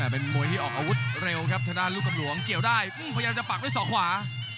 เป็นมวยที่ออกอาวุธเร็วครับทางด้านลูกกำหลวงเกี่ยวได้พยายามจะปักด้วยศอกขวา